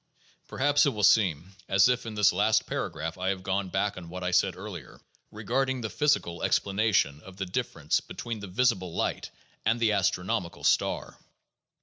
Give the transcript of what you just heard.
Perhaps it will seem as if in this last paragraph I had gone back on what I said earlier regarding the physical explanation of the difference between the visible light and the astronomical star.